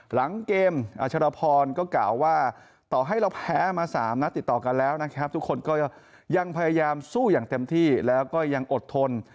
หลังเกมอัชรพรก็กล่าวว่าต่อให้เราแพ้มา๓นัดติดต่อกันแล้วนะครับทุกคนก็ยังพยายามสู้อย่างเต็มที่แล้วก็ยังอดทน